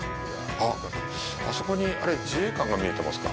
あっ、あそこに、あれ、自衛艦が見えてますか。